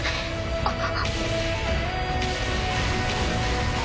あっ。